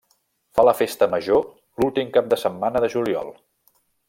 Fa la festa major l'últim cap de setmana de juliol.